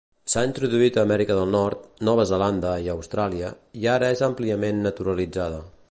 S'ha introduït a Amèrica del Nord, Nova Zelanda i Austràlia, i ara és àmpliament naturalitzada.